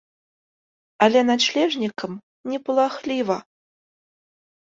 Але начлежнікам не палахліва.